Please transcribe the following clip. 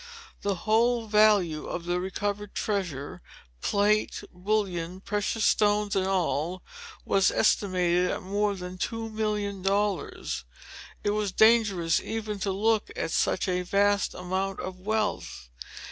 The whole value of the recovered treasure, plate, bullion, precious stones, and all, was estimated at more than two millions of dollars. It was dangerous even to look at such a vast amount of wealth.